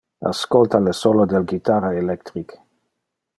Ascolta le solo del guitarra electric!